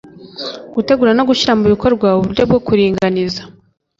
gutegura no gushyira mu bikorwa uburyo bwo kuringaniza